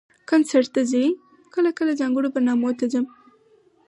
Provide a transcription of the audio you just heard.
کنسرټ ته ځئ؟ کله کله، ځانګړو برنامو ته ځم